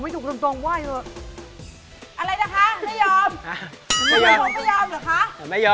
พี่จับแบบนี้ดิพี่จะรู้ว่าไม่ได้อะไรกับแบบนี้